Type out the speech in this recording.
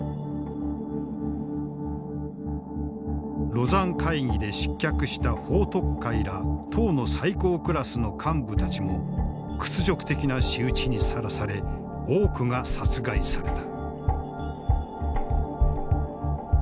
廬山会議で失脚した彭徳懐ら党の最高クラスの幹部たちも屈辱的な仕打ちにさらされ多くが殺害された。